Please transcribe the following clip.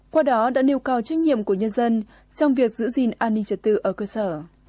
qua đó đã nêu cao trách nhiệm của nhân dân trong việc giữ gìn an ninh trật tự ở cơ sở